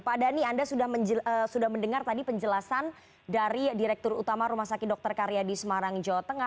pak dhani anda sudah mendengar tadi penjelasan dari direktur utama rumah sakit dr karyadi semarang jawa tengah